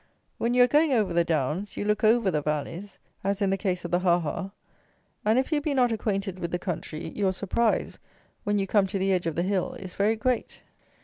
When you are going over the downs, you look over the valleys, as in the case of the ah ah; and if you be not acquainted with the country, your surprise, when you come to the edge of the hill, is very great.